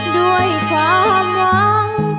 ด้วยความหวัง